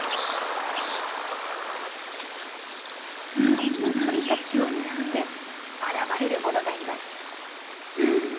そんな鳥たちを狙って現れる者がいます。